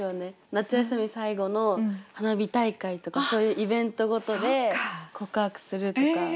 夏休み最後の花火大会とかそういうイベント事で告白するとか。